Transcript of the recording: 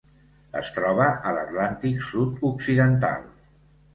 Es troba a l'Atlàntic sud-occidental: